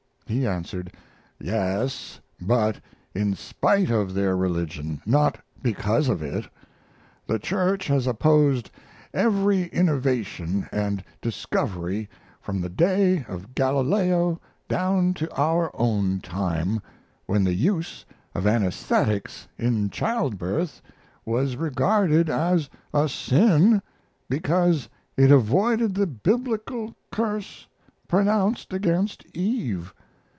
He answered, "Yes, but in spite of their religion, not because of it. The Church has opposed every innovation and discovery from the day of Galileo down to our own time, when the use of anesthetics in child birth was regarded as a sin because it avoided the biblical curse pronounced against Eve.